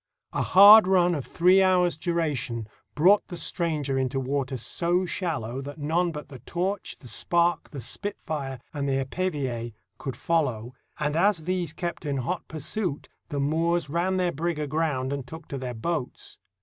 A hard run of three hours' duration brought the stranger into water so shallow that none but the Torch, 30s NORTHERN AFRICA the Spark, the Spitfire, and the Epervaer could follow, and as these kept in hot pursuit, the IMoors ran their brig aground and took to their boats.